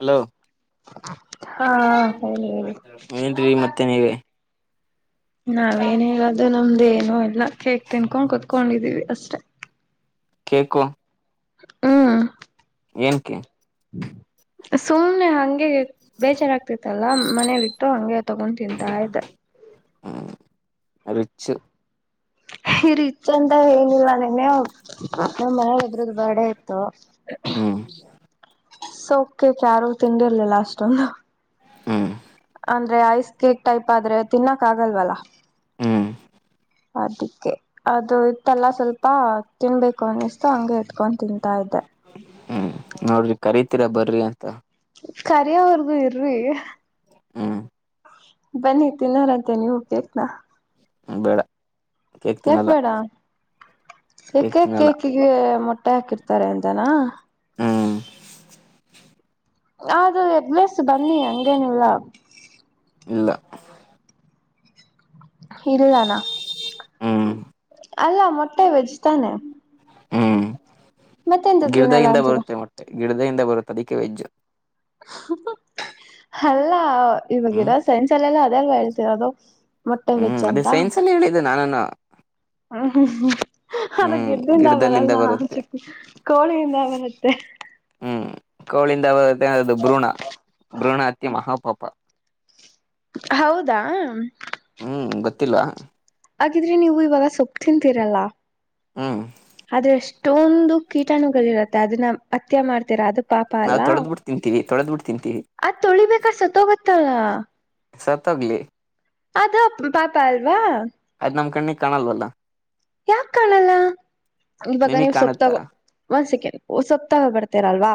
Hello ಹಾ ಹೇಳಿ ಹೇಳಿ ಏನ್ರಿ ಮತ್ತೆ ನೀವೆ ನಾವೇನ್ ಹೇಳೋದು ನಮ್ದ ಏನು ಎಲ್ಲ ಕೇಕ್ ತಿನ್ಕೊಂಡ್ ಕುತ್ಕೊಂಡಿದೀವಿ ಅಷ್ಟೆ ಕೇಕ್ಕ ಹ್ಮ್ ಏಳ್ಕ್ಕೆ ಸುಮ್ನೆ ಹಂಗೆ ಬೇಜಾರಾಗ್ತಿತ್ತಲ್ಲ ಮನಲಿಟ್ಟು ಹಂಗೆ ತಗೊಂಡ ತಿಂತಾ ಇದ್ದ ರಿಚ್ ಈರಿಚ್ ಅಂತ ಏನಿಲ್ಲ ನೆನೆ ನಮ್ಮ ಮಹ ಇದ ಇದ್ರ್ದ ಬಾಡ ಇತ್ತುು ಹ್ಮ್ ಸೌಕ್ಯಕ್ ಯಾರು ತಿಂಡಿರ್ಲಿಲ್ಲ ಅಷ್ಟೊಂದು ಹ್ಮ್ ಅಂದ್ರೆ ಐಸ್ ಕೇಕ್ ಟೈಪ್ ಆದ್ರೆ ತಿನ್ನಕ್ ಆಗಲ್ವಲ್ಲ ಹ್ಮ್ ಅದಕ್ಕೆ ಅದು ಇತ್ತಲ್ಲ ಸ್ವಲ್ಪ ತಿನ್ಬೇಕು ಅನ್ನಿಸ್ತು ಹಂಗೆ ಇತ್ಕೊಂಡು ತಿಂತವಿ ತಾಯ್ದ ಹ್ಮ್ ನೋಡ್ರಿ ಕರಿತೀರಾ ಬರ್ರಿ ಅಂತ ಕರಿವರ್ಗು ಇರ್ರಿ ಹ್ಮ ಬನ್ನಿ ತಿ ನರ ಅಂತೇ ನೀ ಹೋಗ್ಬೇಕನಾ ಬೆಳ ಯಾಕ್ ಬೇಡ ಕೇಕ್ ತಿನ್ನಲ್ಲ ಯಕಏಕಿಗೆಟ್ಟ ಅಟ್ಟೆ ಹಾಕಿರ್ತಾರೆ ಅಂತನಾ ಹಾ ಅದು ಎದಲೇಸ್ ಬನ್ನಿ ಹಂಗೇನಿಲ್ಲ ಇಲ್ಲ ಇದಾನ ಹ್ಮ್ ಅಲ್ಲ ಮೊಟ್ಟೆ ವೆಜ್ ತಾನೆ ಹ್ಮ್ ಮತ್ತೆಂತತನ ಎಲ್ಲ ಅಂತೀರಾ ಗಿಡದಿಂದ ಬರುತ್ತ ಅದಕ್ಕೆ ವೆಜ್ಜು ಅಲ್ಲ ಹ್ಮ್ ಇವಾಗರ ಸೈನ್ಸ್ ಅಲ್ಲೆಲ್ಲ ಸರ ಅದದು ಹ್ಮ್ ಅದೇ ಸೈನ್ಸ್ ಅಲ್ಲಿ ಹೇಳಿದ್ದ ನಾನಾನ ಹು ಹೂ ಅದು ಗೆಡ್ಡೆಯಿಂದ ಗಿಡದಲ್ಲಿಂದ ಬರಲ್ಲ ಬರುತ್ತೆ ಚುಕ್ಕ ಕೋಳಿಯಿಂದ ಬರತ್ತೆ ಹ್ಮ್ ಕೋಳಿಂದ ಬರುತ್ತೆ ಅದು ಭ್ರೂಣ ಭ್ರೂಣ ಹತ್ತೇ ಮಹಾಪಾಪ. ಹೌದಾ. ಹ್ಮ್ ಗೊತ್ತಿಲ್ಲಾ. ಹಾಗಿದ್ರೆ ನೀವು ಇವಾಗ ಸೊಪ್ಪ ತಿಂತೀರಲ್ಲ ಹ್ಮ್ ಆದ್ರೆ ಅಷ್ಟ ಅಷ್ಟೊಂದು ಕೀಟಾಣುಗಳು ಇರುತ್ತೆ ಅದನ್ನ ಹತ್ಯೆ ಮಾಡ್ತೀರಾ ಅದು ಪಾಪ ನಾವು ಅಲ್ಲ ತೊಳೆದಬಿಟ್ಟ ತಿಂತೀವಿ ತೊಳೆದ ಬಿಟ್ಟ ಅದ್ ತೊಳಿಬೇಕಾ ಸತ್ತ ಗೊತ್ತಲ್ಲ ಸತ್ತ ಹೋಗ್ಲಿ. ಅದು ಪಾಪ ಅಲ್ವಾ ಅದ್ ನಮ್ ಕಣ್ಣಿಗೆ ಕಾಣಲ್ಲವಲ್ಲ. ಯಾಕ ಕಾಣಲ್ಲ ಇವಾಗ ನಿಮಗ್ ನೀವು ಕಾಣುತ್ತಾ ಸೊಪ್ಪತಾಗೋ ಒಂದ್ ಸೆಕೆಂಡ್ ಬರ್ತರಲ್ವ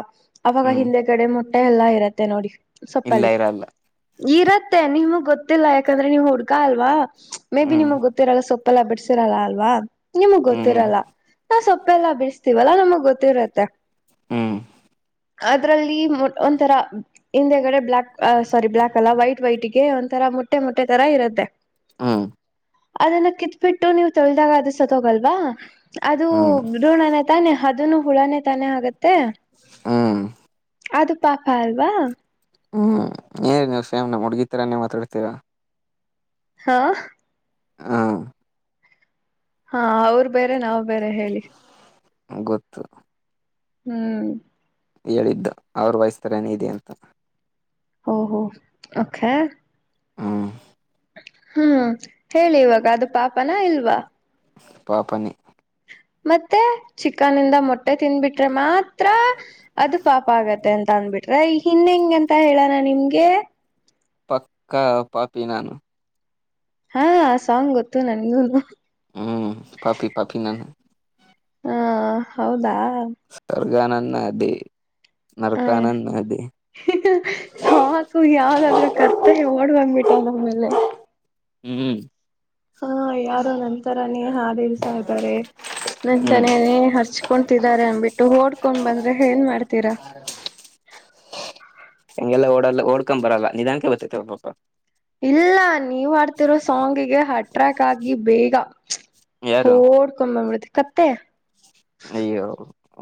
ಅವಾಗ ಹ್ಮ್ ಹಿಂದೆ ಕಡೆ ಮೊಟ್ಟೆ ಎಲ್ಲಾ ಇರತ್ತೆ ನೋಡಿ. ಇಲ್ಲ ಸೊಪ್ಪಲಿ ಇರಲ್ಲ ಇರತ್ತೆ ನಿಮಗ್ ಗೊತ್ತಿಲ್ಲ ಯಾಕಂದ್ರೆ ನೀವು ಹುಡ್ಗ ಅಲ್ವಾ. ಮೇ ಬಿ ಹ್ಮ್ ನಿಮಗ್ ಗೊತ್ತಿರಲ್ಲ ಸೊಪ್ಪಲ್ಲ ಬಿಡ್ಸಿರಲ್ಲ ಅಲ್ವಾ ನಿಮಗ್ ಹ್ಮ್ ಗೊತ್ತಿರಲ್ಲ ನಾ ಸೊಪ್ಪ ತಪ್ಪೆಲ್ಲ ಬಿಡಸ್ತಿವಲ್ಲಾ ನಮಗ್ ಗೊತ್ತಿರತ್ತೆ. ಹ್ಮ್ ಅದ್ರಲ್ಲಿ ಒಂಥರ ಹಿಂದೆಗಡೆ ಬ್ಲ್ಲಾಕ್ ಸ್ವರಿ ಬ್ಲ್ಯಾಕ್ ಅಲ್ಲ ವೈಟ್ ವೈಟ್ ಗೆ ಒಂಥರ ಮೊಟ್ಟೆ ಮೊಟ್ಟೆ ತರ ಇರುತ್ತೆ. ಹ್ಮ. ಅದನ್ನ ಕಿತ್ಬಿಟ್ಟು ನೀವು ತೊಳ್ದಾಗ ಅದು ಸತ್ತೋಗಲ್ವಾ ಅದು ಹ್ಮ್ ಭ್ರೂಣನೆ ತಾನೆ. ಅದನು ಹುಳಾನೇ ತಾನೆ ಆಗತ್ತೆ ಹ್ಮ್ ಅದು ಪಾಪ ಅಲ್ವಾ. ಹ್ಮ್ ಏನ್ ನೀವು ಸೇಮ್ ನಮ್ಮ ಹುಡ್ಗಿ ತರಾನೇ ಮಾತಾಡ್ತೀರಾ. ಹಾ. ಹಾ. ಹಾ ಅವ್ರ ಬೇರೆ ನಾವ್ ಬೇರೆ ಹೇಳಿ. ಗೊತ್ತು. ಹ್ಮ್. ಹೇಳಿದ್ದು ಅವರ ವಾಯ್ಸ್ ತರಾನೇ ಇದೆ ಅಂತ. ಓಹ್ ಒಹೋ ಓಕೇ. ಹಾ. ಹ್ಮ್ ಹೇಳಿ ಇವಾಗ ಅದು ಪಾಪನಾ ಇಲ್ವಾ. ಪಾಪಾನೆ. ಮತ್ತೆ ಚಿಕನ ನಿಂದ ಮೊಟ್ಟೆ ತಿನ್ಬಿಟ್ರೆ ಮಾತ್ರ ಅದು ಪಾಪ ಆಗತ್ತೆ ಅಂತ. ತಂದ್ಬಿಟ್ರ ಹನ್ ಹೆಂಗೆಂತ ಹೇಳೋಣ ನಿಮ್ಗೆ. ಪಕ್ಕಾ ಪಾಪಿ ನಾನು. ಹಾ ಆ ಸಾಂಗ್ ಗೊತ್ತು ನನ್ಗೂನು. ಹ್ಮ್ ಕಾಫಿ ಕಾಫಿ ನಾನು. ಹ್ಮ್ ಹೌದಾ ಈಗ ನನ್ನದೇ. ಹ ಸಾಕು ಯಾವದ್ರಾದು ಕತ್ತ ಓಡ್ಬಂದ್ಬಿಟ್ಟ. [unintelligible] ಆಮೇಲೆ ಹ್ಮ ಹಾ ಯಾರೋ ನಂತರನೇ ಹಾಡ ಹೆಳ್ತಾ ಇದಾರೆ ಹ್ಮ್ ನಂತಾರಣೆ ಹರ್ಚ್ಕೊತ ತಿಂತಿ ಇದಾರೆ ಅನ್ಬಿಟ್ಟು ಓಡ್ಕೊಂಡ್ ಬಂದ್ರೆ ಏನ್ ಮಾಡ್ತೀರಾ. ಹಂಗೆಲ್ಲ ಓಡಲ್ಲ ಒಡಕೊಂಡ ಬರಲ್ಲ ನಿಧಾನಕ ಬರ್ತೇತಿ ಅದು ಪಾಪ - ಹಡ್ತಿರೋ ಸಾಂಗಗೆ ಹ ಟ್ರ್ಯಾಕ್ ಆಗಿ ಬೇಗ ಯಾರು [inaudible] ಕತ್ತೆ ಅಯ್ಯೋ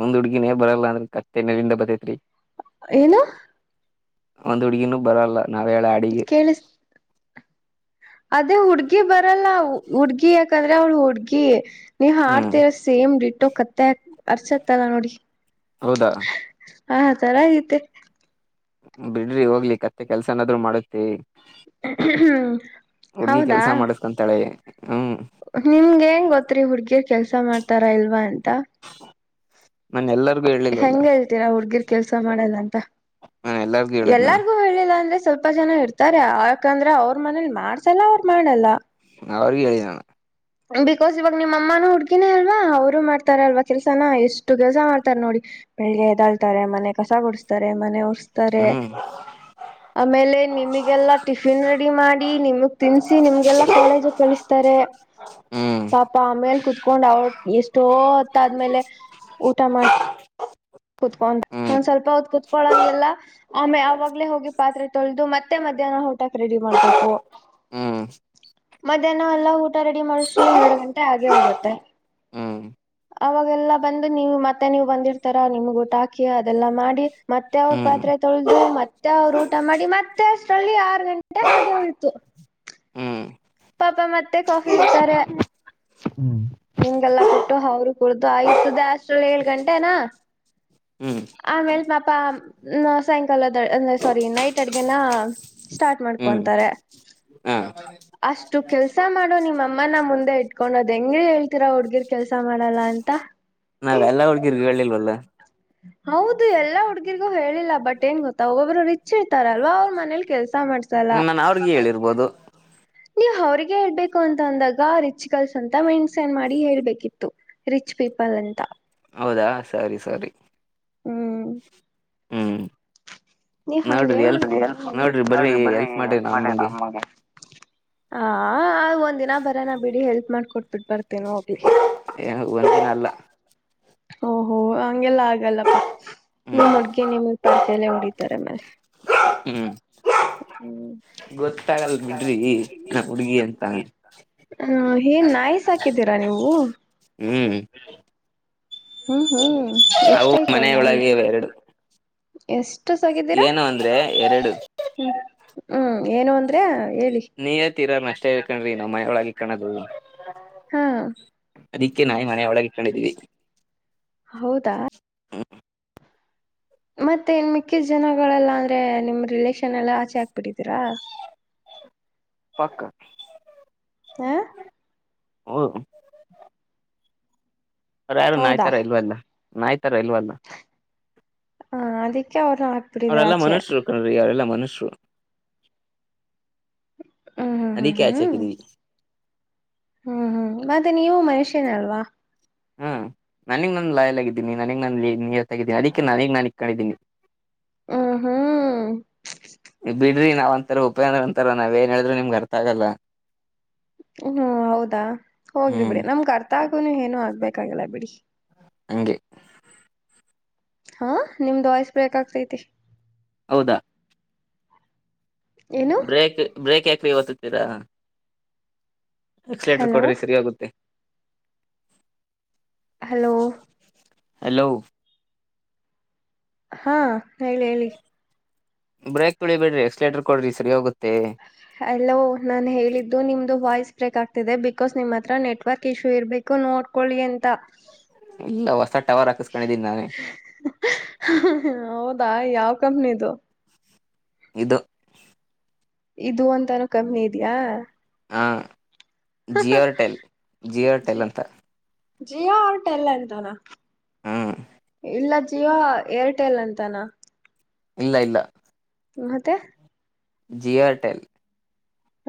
ಒಂದ್ ಹುಡ್ಗಿನೇ ಬರಲ್ಲ ಅಂದ್ರೆ ಕತ್ತೆ ನೆಲಿಂದ ಬತೈೇತ್ರಿ ಏನ ಒಂದ್ ಹುಡ್ಗಿನೂ ಬರಲ್ಲ ನಾವ್ ಹೇಳ ಅಡಿಗೆ ಕೇಳಿಸ ಅದೇ ಹುಡ್ಗಿ ಬರಲ್ಲ ಹುಡ್ಗಿ ಯಾಕಂದ್ರೆ ಅವ್ಳು ಹುಡ್ಗಿ ನೀ ಹ್ಮ್ ಹಾಡ್ತರ ಸೇಮ್ ಟ್ಟೋ ಕತ್ತ ಅರ್ಸತ್ತಲ್ಲಾ ನೋಡಿ ಹೌದಾ ಹಾ ಚರಗತೆ ಬಿಡ್ರಿ ಹೋಗ್ಲಿ ಕತ್ತೆ ಕೆಲ್ಸ ನಾದ್ರು ಮಾಡುತ್ತಿ ಹುಡ್ಗಿ ಹೌದಾ ಕೆಲ್ಸ ಮಾಡಸ್ಕೊಂತಾಳೆ ಹ್ಮ್ ನಿಮ್ಗೆ ಏನ್ರಿ ಗೊತ್ರಿ ಹುಡ್ಗಿರ್ ಕೆಲ್ಸ ಮಾಡ್ತಾರ ಇಲ್ವಾ ಅಂತ. ನನ್ನ ಎಲ್ಲರಿಗೂ ಹೇಳಿಲ್ವಲ್ಲ ಹೆಂಗ ಹೇಳ್ತೀರಾ ಹುಡ್ಗಿರ್ ಕೆಲ್ಸ ಮಾಡಲ್ಲ ಅಂತ. ನಾನ್ ಎಲ್ಲರಿಗೂ ಹೇಳಿದ್ನ ಎಲ್ಲರಿಗೂ ಹೇಳಿಲ್ಲ ಅಂದ್ರೆ. ಸ್ವಲ್ಪ ಜನ ಇರ್ತಾರೆ ಯಾಕಂದ್ರೆ ಅವ್ರ ಮನೇಲಿ ಮಾಡ್ಸಲ್ಲ ಅವ್ರು ಮಾಡಲ್ಲ [inaudible] ಬಿಕಾಸ್ ಇವಾಗ ನಿಮ್ಮ ಅಮ್ಮನೂ ಹುಡ್ಗಿನೇ ಅಲ್ವಾ ಅವರು ಮಾಡ್ತಾರ ಅಲ್ವಾ ಕೆಲ್ಸನ ಎಷ್ಟು ಕೆಲ್ಸ ಮಾಡ್ತಾರ ನೋಡಿ ಬೆಳಿಗ್ಗೆ ಎದಾಳ್ತಾರೆ ಮನೆ ಕಸ ಗುಡಿಸಸ್ತಾರೆ ಮನೆ ರ್ಸ್ತಾರೆ ಹ್ಮ್ ಆಮೇಲೆ ನಿಮಗೆಲ್ಲಾ ಟಿಫಿನ್ ರೆಡಿ ಮಾಡಿ ನಿಮಗ್ ತಿನ್ ನಿಮ್ಗೆಲ್ಲಾ ಕಾಲೇಜ ಕಳಿಸ್ತಾರೆ ಹ್ಮ್ ಪಾಪ ಆಮೇ ಕುತ್ಕೊಂಡ್ ಅವಳ ಎಷ್ಟೋ ಹೊತ್ತ ಆದ್ಮೇಲೆ ಊಟ ಮಾಡ ಕುತ್ಕೊಂಡ ಹ್ಮ್ ಒಂದ್ ಸ್ವಲ್ಪತ್ ಕುೂತ್ಕೊಳಂಗಗೆಲ್ಲ ಆಮೆ ಆವಾಗಲೇ ಹೋಗಿ ಪಾತ್ರೆ ತೊಳೆದು ಮತ್ತೆ ಮಧ್ಯಾಹ್ನ ಓಟಕ್ ರೆಡಿ ಮಾಡ್ಬೇಕು ಹಾ ಮಧ್ಯಾಹ್ನ ಎಲ್ಲಾ ಊಟ ರೆಡಿ ಮಾಡಿಸ್ರಲ ಎರಡು ಗಂಟೆ ಆೆ ಹೋಗುತ್ತೆ ಹ್ಮ್ ಹ್ಮ್ ಅವಾಗೆಲ್ಲಾ ಬಂದು ನೀವು ಮತ್ತೆ ನೀವು ಬಂದಿರ್ತಾರ ನಿಮಟಾಕಿ ಅದೆಲ್ಲ ಮಾಡಿ ಮತ್ತೆ ಅವ್ರ ಹ್ಮ್ ಪಾತ್ರೆ ತೊಳೆದು ಮತ್ತೆ ಅವ್ರು ಊಟ ಮಾಡಿ ಮತ್ತೆ ಅಷ್ಟರಲ್ಲಿ ಆರು ಗಂಟೆ ಹಾಗೆ ಉಯತು ಹ್ಮ್ ಪಾಪ ಮತ್ತೆ ಕಾಫಿ ಇಡ್ತಾರೆ ನಿಮ್ಗೆಲ್ಲಾ ಕೊಟ್ಟು ಅವರು ಕುಡ್ದು ಆಯ್ತ ದೇ ಅಷ್ಟ್ರಲ್ಲಿ ಏಳ್ ಗಂಟೆನಾ ಹ್ಮ್ ಆಮೇಲ್ ಪಾಪ ಸಾಯಂಕಾಲಂದ ಸಾರಿ ನೈಟ್ ಅಡ್ಗೆನ ಸ್ಟಾರ್ಟ್ ಹ್ಮ್ ಮಾಡ್ಕೊಂತಾರೆ ಹ ಅಷ್ಟು ಕೆಲ್ಸ ಮಾಡೋ ನಿಮ್ಮ ಅಮ್ಮನ ಮುಂದೆ ಇಟ್ಕೊಂಡೋದ್ ಹೆಂಂಗ ಹೇಳ್ತೀರ ಹುಡ್ಗಿರ್ ಕೆಲ್ಸ ಮಾಡ ಲ್ಲ ಅಂತ ನಾ ಎಲ್ಲಾ ಒಳಕ ಇಿ ವಳ್ಳಲಿವಲ್ಲ ಹೌದು ಎಲ್ಲಾ ಹುಡ್ಗಿರ್ಗೂ ಹೇಳಿಲ್ಲ ಬಟ್ ಏನ್ ಗೊತ್ತಾ ಒಬ್ಬೊಬ್ರು ರಿಚ್ ಇರ್ತಾರ ಅಲ್ವಾ ಅವ್ರ ಮನೇಲಿ ಕೆಲ್ಸ ಮಾಡ್ಸ ಹ ನಾನು ಅವ್ರಗ ಹೇಳಿರ್ಬೋದು ನೀ್ ಅವ್ರಿಗೆ ಹೇಳ್ಬೇಕು ಅಂತ ಅಂದಾಗ ರಿಚ್ ಗರ್ಲ್ಸ್ ಅಂತ ಮೆಣ್ಸೆನ್ ಮಾಡಿ ಹೇಳ್ಬೇಕಿತ್ತು ರಿಚ್ ವಿಫಲಂತ ಹೌದಾ ಸರಿ ಸರಿ ಹ್ಮ್ ಹ್ಮ್ ನೀ್ ನೋಡ್ರಿ ಎಲ್ಪ್ ನೋಡ್ರಿ ಬರ್ರಿ ಹಿ ಬರಿ ಮಾಡ್ರಿ ಎಲ್ಪ್ ಮಾಡಿ ನಮ್ಮಗೆ ಹ ಒಂದ್ ದಿನ ಬರ ನ ಬಿಡಿ ಹೆಲ್ಪ್ ಮಾಡಕೊಟ್ಬಿಟ್ಟ ಬರ್ತೇನ ಹೋಗ್ಲಿ ಏನೋಗ ಬಂತಿನಲ್ಲ ಓಹೋ ಹಗೆಲ್ಲ ಆಗಲ್ಲಪ್ಪಾ ಹ್ಮ್ ನಿಮ್ಮ ಹುಡ್ಗಿ ನಿಮ್ಮ ಪರ್ಕೆಲ್ಲ ಹೊಡಿತಾರೆ ಮೇಲೆ ಹ್ಮ್ ಗೊತ್ತಾಗಲ್ ಬಿಡ್ರಿ ನಾ ಹುಡ್ಗಿ ಅಂತ ಹ್ಮ ಏನ್ ನಾಯಿಸ್ ಹಾಕಿದ್ದೀರಾ ನೀವು ಹ್ಮ್ ಹ್ಮ್ ಹ್ಮ್ ಅವು ಎಷ್ಟಾಯ್ತವೆ ನಾ ಮನೆಯೊಳಗೆ ಇವೆ ಎರಡು ಎಷ್ಟು ಸಗಿದ್ದೀರಾ ಏನು ಅಂದ್ರೆ ಎರಡು ಹ್ಮ್ ಏನು ಅಂದ್ರೆ ಹೇಳಿ ನೀ ಹತ್ತೀರ ಅಷ್ಟೇ ಹೇಳ್ಕ್ರಿ ನಾವ್ ಮನೆ ಒಳಗೆ ಕಾಣೋದು ಹಾ ಅದಿಕ್ಕೆ ನಾಯಿ ಮನೆಯ ಒಳಗೆ ಇಕೊಂಡಿದ್ದೀವಿ ಹೌದಾ ಹ [inaudible] ಮತ್ತೆ ಇನ್ ಮಿಕ್ಕಿದ ಜನಗಳೆಲ್ಲಾ ಅಂದ್ರೆ ನಿಮ ರಿಲೇಷನ್ ಎಲ್ಲಾ ಆಚೆ ಹಾಕ್ಬಿಟ್ಟಿದೀರಾ ಪಕ್ಕ ಹ ಹ್ಮ ಅ ಯಾರು ಹೌದಾ ನಾಯ್ತರ ಇಲ್ವಲ್ಲ ನಾಯ್ತರ ಇಲ್ವಲ್ಲ ಹ ಅದಕ್ಕೆ ಅವ್ರನ್ನ ಹಾಕ್ಬಿಟ್ಟಿದೀರ ಅವ್ರೆಲ್ಲ ಆಚೆ ಮನುಷ್ಯರು ಕ್ರೀ ಅವರೆಲ್ಲ ಮನುಷ್ಯರು ಹ್ಮ್ ಹ್ಮ್ ಹ್ಮ್ ಅದುಕೆ ಹ್ಮ್ ಅಚ್ಚೆಹಾಕಿದವಿ ಹ್ಮ್ ಹ್ಮ್ ಮತ್ತೆ ನೀವು ಮನುಷ್ಯನಲ್ವಾ ಹ್ಮ ನನಗೆ ನನ್ ಲಾಯಲ್ಗಿದ್ದೀನಿ ನನಗ್ ನಾನ ನೀರ್ ತಾಗಿದ್ದೀಿ ಅದಿಕ್ಕೆ ನನಗ್ ನನ ಕಳಿದ್ದೀನಿ ಹ ಹ್ಮ ರಿ ನಾವ್ ಅಂತ ಉಪೇಂದ್ರ ಅಂತಾರ ನಾವ್ ಏನ್ ಹೇಳಿದ್ ನಿಮ್ ಗರ್ ಆಗಲ್ಲ ಹ್ಮ್ ಹೌದಾ ಹೋಗ್ಲಿ ಹ್ಮ್ ಬಿಡಿ ನಮ್ಗ ಅರ್ಥ ಆಗು ಏನು ಆಗ್ಬೇಕಾಗಲ್ಲ ಬಿಡಿ ಹಂಗಗೆ ಹಾ ನಿಮ್ದ್ ವಯ್ಸ್ ಬ್ರೇಕ್ ಆಗ್ತೈತಿ ಹೌದ ಏನು ಬ್ರೇಕ್ ಬ್ರೇಕ್ ಯಾಕ್ರ ತ್ತತೀರಾ ಎಕ್ಸಲೇಟರ್ ಹಲೋ ಕೊಡ್ರಿ ಸರಿ ಆಾಗುತ್ತೆ ಹಲೋ ಹಲೋ ಹಾ ಹೇಳಿ ಹೇಳಿ ಬ್ರೇಕ್ ತಿಳಿಬೇಡಿ ಎಕ್ಸ್ಲೇಟರ್ ಕೊಡ್ರಿ ಸರಿ ಹೋಗುತ್ತೆ ಅಲ್ಲೋ ನಾನು ಹೇಳಿದ್ದು ನಿಮ್ದು ವಾಯ್ಸ್ ಕ್ ಆಗ್ತಿದೆ ಬಿಕಾಸ್ ನಿಮ್ಮ್ ಹತ್ರ ನೆಟ್ವರ್ಕ್ ಇಶ್ಯೂ ಇರ್ಬೇಕು ನೋಡ್ಕೊಳ್ಳಿ ಅಂತ ಇಲ್ಲ ಹೊಸ ಟವರ್ ಹಾಕಿಸ್ಕೊಂಡಿದೀನಿ ನಾನೇ ದ ಯಾವ ಕಂಪ್ನದು ಇದುದು ಇದು ಅಂತಾನೂ ಕಮ್ಮಿ ಇದ್ಯಾಾ ಹಾ ಜಿಯೋರ್ಟೆಲ್ ಜಿಯೋ ಜಿ ರ್ಟೆಲ್ ಅಂತ ಜಿಯೋ ಹೋಟಲ್ ಅಂತಾನ ಹ್ಮ್ ಎಲ್ಲ ಎಂತಾನ ಇಲ್ಲ ಜಿಯೋ ಏರ್ಟೆಲ್ ಅಂತನಾ ಇಲ್ಲ ಇಲ್ಲ ಮತ್ತೆ ಜಿಯರ್ಟೆಲ್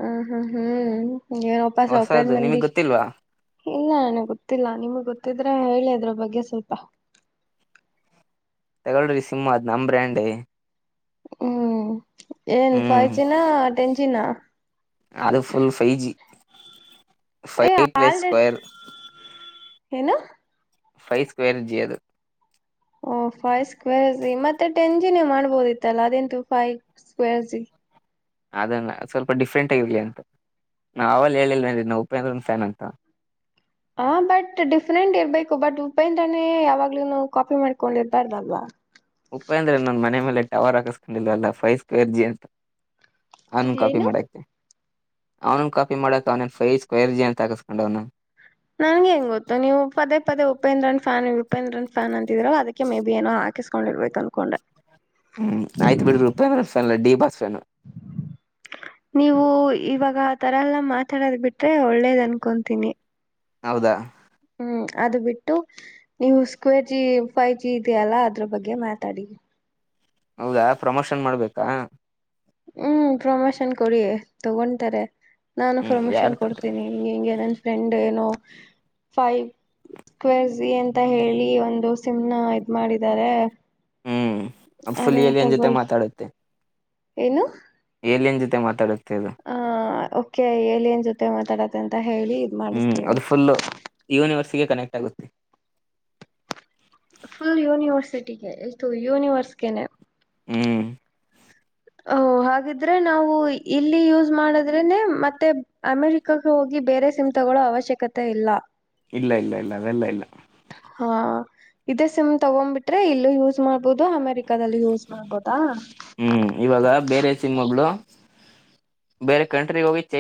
ಹ್ಮ್ ಹ್ಮ್ ಹ್ಮ್ ಏನೋಪ್ಪ ಸೌಕ ಹೊಸದು ಮಂದಿ ನಿಮಗ್ ಗೊತ್ತಿಲ್ವಾ ಇಲ್ಲ ನಾನ ಗೊತ್ತಿಲ್ಲ ನಿಮ್ಗ್ ಗೊತ್ತಿದ್ರೆ ಹೇಳಿದ್ರ ಬಗ್ಗೆ ಸ್ವಲ್ಪ ತಗಳ್ರಿ ಸಿಮ್ಮ್ ಅದ್ ನಮ್ ಬ್ರ್ಯಾಂಡೇ ಹ್ಮ್ ಏನ್ ಫೈವ್ ಹ್ಮ್ ಜಿನ ಟೆನ್ ಜಿನ ಅದು ಫುಲ್ ಫೈವ ಜಿ ಏ ಫೈವ್ ಪ್ಲಸ್ ಆಲ್ರೆಡಿ ಸ್ಕ್ಯರ್ ಏನು ಫೈವ ಸ್ಕ್ವಯರ್ಜಿ ಅದು ಓ ಫೈವ್ ಸ್ಕ್ವೇರ್ ಮತ್ತೆ ಟೆನ್ ಜಿ ನೀ ಮಾಡ್ಬೋದಿತ್ತಲ್ಲ ಅದಂತು ಫೈವ್ ಸ್ಕ್ವೇರ್ ಅದಲ್ಲ ಸ್ವಲ್ಪ ಡಿಫ್ರೆಂಟ್ ಆಗಿರ್ಲಿ ಅಂತ ನಾ ಅವಲ್ಲೇ ಹೇಳಿಲ್ಲ ಏನ್ರೀ ಉಪೇಂದ್ರನ್ ಫ್ಯಾನ್ ಅಂತ. ಹಾ ಬಟ್ ಡಿಫ್ರೆಂಟ್ ಇರ್ಬೇಕು ಬಟ್ ಉಪೇಂದ್ರಾನೇ ಯಾವಾಗ್ಲೂನು ಕಾಪಿ ಮಾಡ್ಕೊಂಡಿರ್ಬಾರ್ದಲ್ವಾ. ಉಪೇಂದ್ರ ನನ್ ಮನೆ ಮೇಲೆ ಟವರ್ ಹಾಕಿಸ್ಕೊಂಡಿಲ್ವಲ್ಲ ಫೈಸ್ ಕೇಳಿ ಜಿ ಅಂತ ನಾನು ಕಾಫಿ ಏನು ಮಾಡಾಕ್ತಿನಿ. ಅವನು ಕಾಪಿ ಮಾಡಕ ಅವನ ಫೈ ಸ್ಕ್ವೇರ್ ಜಿ ಅಂತ ಹಾಕಿಸ್ಕೊಂಡವ್ನ. ನಂಗ್ಹೆಂಗ್ ಗೊತ್ತು ನೀವು ಪದೇ ಪದೇ ಉಪೇಂದ್ರನ್ ಫ್ಯಾನ್ ಉಪೇಂದ್ರನ್ ಫ್ಯಾನ್ ಅಂತಿದ್ರರಲ್ಲ ಅದ ಮೇ ಬಿ ಏನೋ ಆ ಕಿಸ್ಕೊಂಡಿರ್ಬೇಕ ಅನ್ಕೊಂಡೆ. ಹ್ಮ್ ಆಯ್ತು ಬಿಡ್ರಿ ಉಪೇಂದ್ರ ಫ್ಯಾನ್ಲ ಡಿ ಬಾಸ್ ಫ್ಯಾನ್. ನೀವು ಇವಾಗ ಆ ತರ ಎಲ್ಲಾ ಮಾತಾಡದ್ ಬಿಟ್ರೆ ಒಳ್ಳೇದ್ ಅನ್ಕೊಂತೀನಿ. ಹೌದಾ ಹ್ಮ್ ಅದು ಬಿಟ್ಟು ನೀವು ಸ್ಕ್ವೇರ್ ಜಿ ಫೈವ್ ಜಿ ಇದೆಯಲ್ಲ ಅದ್ರ ಬಗ್ಗೆ ಮಾತಾಡಿ ಹೌದಾ ಪ್ರಮೋಷನ್ ಮಾಡ್ಬೇಕಾ ಹ್ಮ್ ಪ್ರಮೋಶನ್ ಕೊಡಿ ತಗೊಂಡ್ತಾರೆ. ನಾನು ಹ್ಮ್ ಯಾರು ಪ್ರಮೋಷನ್ ತಂತಾನೆ ಕೊಡ್ತೀನಿ ಹಿಂಗೆ ಹಿಂಗೆ ನನ್ ಫ್ರೆಂಡ್ ಏನೋ ಫೈವ್ ಸ್ಕ್ವೇರ್ ಜಿ ಅಂತ ಹೇಳಿ ಒಂದು ಸಿಮ್ ನಾ ಇದು ಮಾಡಿದಾರೆ. ಹ್ಮ್ ಫುಲ್ ಏಲಿಯನ್ ಜೊತೆ ಮಾತಾಡುತ್ತೆ. ಏನು. ಏಲಿಯನ್ ಜೊತೆ ಮಾತಾಡತ್ತೆ ಅದು. ಆ ಓಕೆ ಏಲಿಯನ್ ಜೊತೆ ಮಾತಾಡತ್ತಿ ಅಂತ ಹೇಳಿ ಇದ್ ಹ್ಮ್ ಮಾಡಿಸ್ತೀನಿ ಅದು ಫುಲ್ ಯೂನಿವರ್ಸ್ಗೆ ಕನೆಕ್ಟ್ ಆಗುತ್ತೆ. ಫುಲ್ ಯೂನಿವರ್ಸಿಟಿಗೆ ಎಷ್ಟು ಯೂನಿವರ್ಸ್ಗೆನೆ. ಹ್ಮ್. ಹ ಹಾಗಿದ್ರೆ ನಾವು ಇಲ್ಲಿ ಯೂಸ್ ಮಾಡದ್ರೆನೆ ಮತ್ತೆ ಅಮೆರಿಕಾಗ ಹೋಗಿ ಬೇರೆ ಸಿಮ್ ತ ಗೊಳ್ಳೋ ಅವಶ್ಯಕತೆ ಇಲ್ಲ ಇಲ್ಲ ಇಲ್ಲ ಇಲ್ಲ ಅವೆಲ್ಲ ಇಲ್ಲ. ಹಾ ಇದೇ ಸಿಮ್ ತಗೊಂಡ್ಬಿಟ್ರೆ ಇಲ್ಲೂ ಯೂಸ್ ಮಾಡ್ಬಹುದು ಅಮೆರಿಕದಲ್ಲಿ ಯೂಸ್ ಮಾಡ್ಬಹುದ್ ಹ್ಮ್ ಇವಾಗ ಬೇರೆ ಸಿಮ್ಗಳು ಬೇರೆ ಕಂಟ್ರಿ ಹೋಗಿ ಚೇ